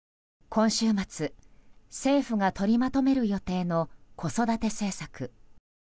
今週末、政府が取りまとめる予定の子育て政策。